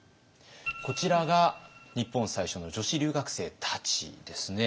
こちらが日本最初の女子留学生たちですね。